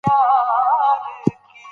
که موږ خپله ژبه هېره کړو کلتور مو مړ کیږي.